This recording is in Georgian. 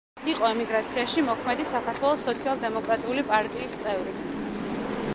იყო ემიგრაციაში მოქმედი საქართველოს სოციალ-დემოკრატიული პარტიის წევრი.